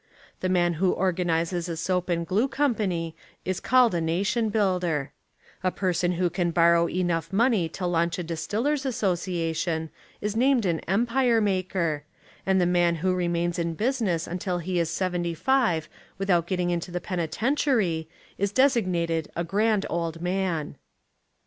The man who or ganises a soap and glue company is called a na tion builder; a person who can borrow enough money to launch a Distiller's Association is named an empire maker, and a man who re mains in business until he is seventy five with out getting into the penitentiary is designated a Grand Old Man.